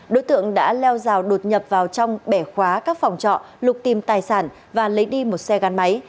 đối tượng đã leo rào đột nhập vào trong bẻ khóa các phòng trọ lục tìm tài sản và lấy đi một xe gắn máy